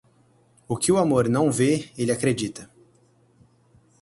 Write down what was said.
O que o amor não vê, ele acredita.